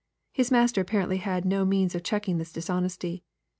His master apparently had no means of checking this dishonesty.